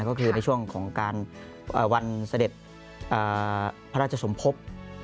ก็คือในช่วงของการวันเสด็จพระราชสมภพ